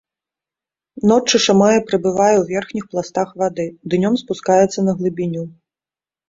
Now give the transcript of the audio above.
Ноччу шамая прабывае ў верхніх пластах вады, днём спускаецца на глыбіню.